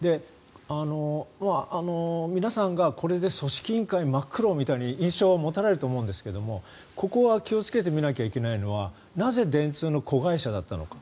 皆さんがこれで組織委員会真っ黒みたいな印象を持たれると思うんですけどここは気をつけて見なければいけないのはなぜ、電通の子会社だったのか。